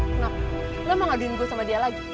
kenapa lu mau ngaduin gue sama dia lagi